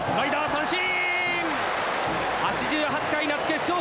三振！